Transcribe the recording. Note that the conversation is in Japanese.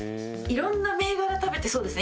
色んな銘柄食べてそうですね